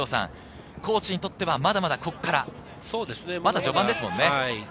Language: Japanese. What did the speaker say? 高知にとってはまだまだここから、序盤ですもんね。